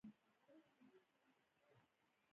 په سروبي کې به د قابلي دیګ را ښکته کړو؟